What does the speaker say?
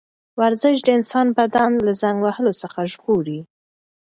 ورزش د انسان بدن له زنګ وهلو څخه ژغوري.